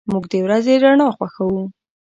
موږ د ورځې رڼا خوښو.